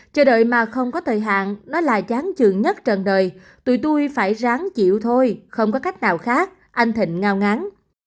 chờ đợi mà không có thời hạn nó là gián trường nhất trần đời tụi tui phải ráng chịu thôi không có cách nào khác anh thịnh ngao ngắn